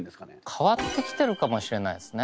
変わってきてるかもしれないですね。